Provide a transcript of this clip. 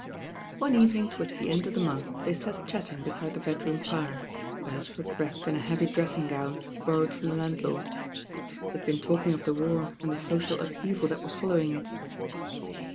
One evening towards the end of the month they sat chatting beside the bedroom fire, Beresford wrapped in a heavy dressing gown borrowed from the lan'llord. They had been talking of the war and the social upheaval that was following it.